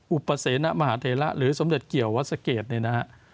อุปเสณมหาเทระหรือสมเด็จเกี่ยววัสเกตเนี่ยนะฮะ